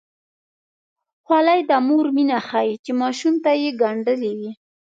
خولۍ د مور مینه ښيي چې ماشوم ته یې ګنډلې وي.